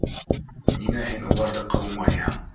Ниңә һин уларҙы ҡыумайһың?